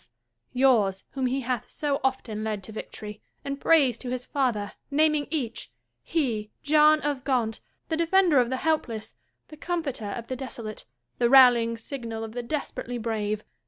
than a mother's % yours, whom he hath so often led to victory, and praised to his father, naming each — he, John of Gaunt, the defender of the help less, the comforter of the desolate, the rallying signal of the desperately brave